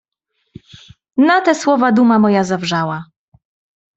"Na te słowa duma moja zawrzała."